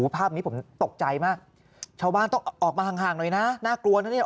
ภาพนี้ผมตกใจมากชาวบ้านต้องออกมาห่างหน่อยนะน่ากลัวนะเนี่ย